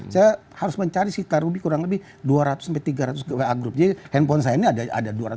saya harus mencari sitar lebih kurang lebih dua ratus tiga ratus ke grup handphone saya ada ada dua ratus